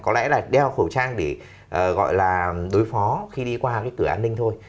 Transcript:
có lẽ là đeo khẩu trang để gọi là đối phó khi đi qua cái cửa an ninh thôi